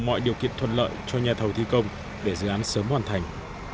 mọi điều kiện thuận lợi cho nhà thầu thi công để dự án sớm hoàn thành